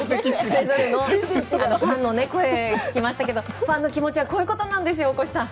それぞれのファンの声聞きましたけどファンの気持ちはこういうことなんですよ大越さん。